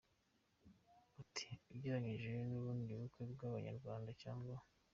Ati “ Ugereranyije n’ubundi bukwe bw’abanyarwanda cyangwa